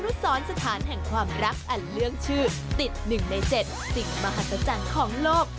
สอนสถานแห่งความรักอันเรื่องชื่อติด๑ใน๗สิ่งมหัศจรรย์ของโลก